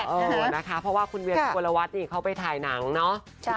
เออนะคะเพราะว่าคุณเวียสุวรวัตรนี่เขาไปถ่ายหนังเนาะ